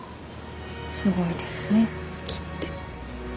すごいですね木って。